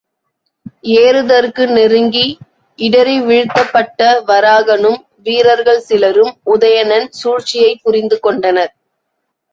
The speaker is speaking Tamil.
ஏறுதற்கு நெருங்கி இடறிவீழ்த்தப்பட்ட வராகனும் வீரர்கள் சிலரும் உதயணன் சூழ்ச்சியைப் புரிந்துகொண்டனர்.